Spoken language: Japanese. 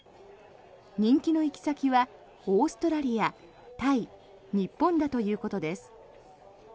人気の行き先はオーストラリアタイ、日本だということです。